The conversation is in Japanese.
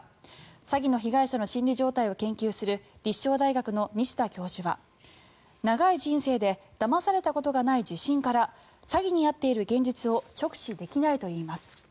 詐欺の被害者の心理状態を研究する立正大学の西田教授は長い人生でだまされたことがない自信から詐欺に遭っている現実を直視できないといいます。